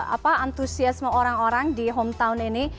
apa antusiasme orang orang di hometown ini